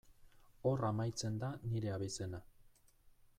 Hor amaitzen da nire abizena.